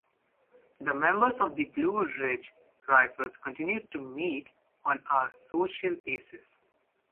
The members of the Blue Ridge Rifles continued to meet on a social basis.